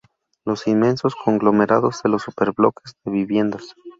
Los inmensos conglomerados de los súper bloques de viviendas.